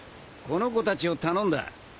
この子たちを頼んだ。